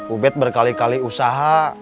ube berkali kali usaha